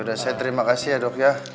ya udah saya terima kasih ya dok ya